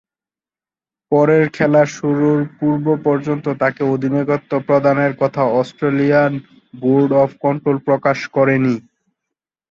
পরের খেলা শুরুর পূর্ব পর্যন্ত তাকে অধিনায়কত্ব প্রদানের কথা অস্ট্রেলিয়ান বোর্ড অব কন্ট্রোল প্রকাশ করেনি।